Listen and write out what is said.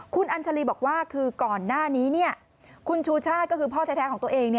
คุณอัญชาลีบอกว่าคือก่อนหน้านี้คุณชูชาติก็คือพ่อแท้ของตัวเอง